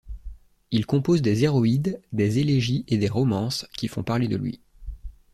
Il compose des héroïdes, des élégies et des romances qui font parler de lui.